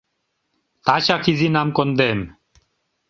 Тачак Изинам кондем!..